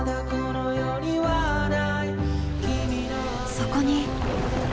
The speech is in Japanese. そこに。